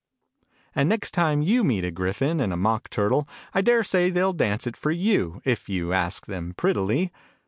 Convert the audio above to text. And next time you meet a Gryphon and a Mock Turtle, I daresay they'll dance it for you, if you ask them prettily.